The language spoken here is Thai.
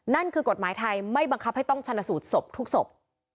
นั่นคือกฎหมายไทยไม่บังคับให้ต้องชนะสูตรศพทุกศพ